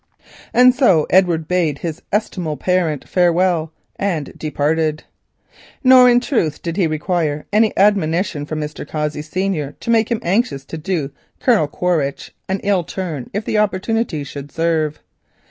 And so Edward bade his estimable parent farewell and departed. Nor in truth did he require any admonition from Mr. Cossey, Senior, to make him anxious to do Colonel Quaritch an ill turn if the opportunity should serve.